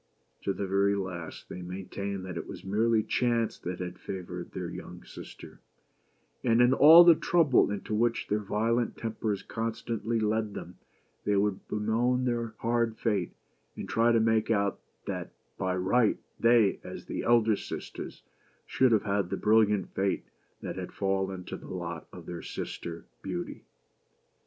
To the very last, they maintained that it was merely chance that had favored their younger sister : and in all the trouble into which their violent tempers constantly led them, they would bemoan their hard fate, and try to make out that by right, they, as the elder sisters, should have had the brilliant fate that had fallen to the lot of their sister, Beauty.